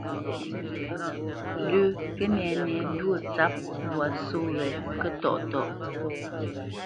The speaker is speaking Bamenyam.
Lə́ Kənɛnɛndwó tsâp mbwǎ só wě Kətɔ́ʼtɔ́ʼ.